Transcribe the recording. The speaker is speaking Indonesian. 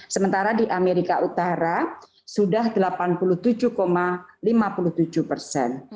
sementara di amerika utara sudah delapan puluh tujuh lima puluh tujuh persen